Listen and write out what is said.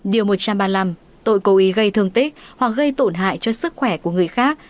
điều một trăm ba mươi năm tội cố ý gây thương tích hoặc gây tổn hại cho sức khỏe của người khác